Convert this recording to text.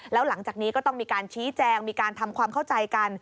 แล้วหลังจากนี้ก็ต้องมีการชี้แจงมีการทำความเข้าใจกัน